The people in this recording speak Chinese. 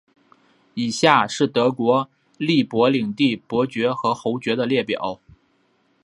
以下是德国利珀领地伯爵和侯爵的列表。